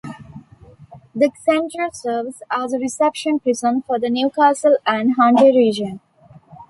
The centre serves as the reception prison for the Newcastle and Hunter Region.